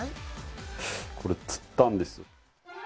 これは釣ったんです。